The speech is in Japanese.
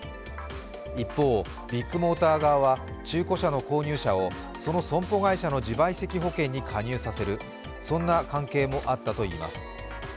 一方、ビッグモーター側は中古車の購入者をその損保会社の自賠責保険に加入させる、そんな関係もあったといいます。